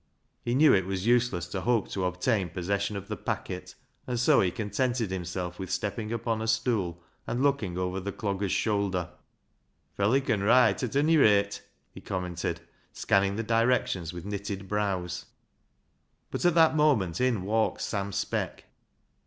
He knew it was useless to hope to obtain possession of the packet, and so he contented I50 BECKSIDE LIGHTS himself with stepping upon a stool and looking over the dogger's shoulder. " Th' felley con wroite at ony rate," he com mented, scanning the directions with knitted brows. But at that moment in walked Sam Speck.